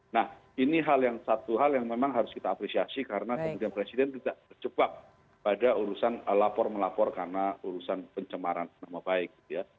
nah ini hal yang satu hal yang memang harus kita apresiasi karena kemudian presiden tidak terjebak pada urusan lapor melapor karena urusan pencemaran nama baik